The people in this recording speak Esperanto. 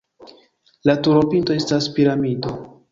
La turopinto estas piramido.